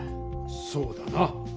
そうだな。